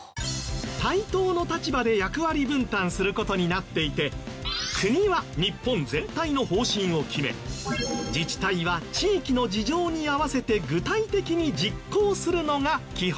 対等の立場で役割分担する事になっていて国は日本全体の方針を決め自治体は地域の事情に合わせて具体的に実行するのが基本。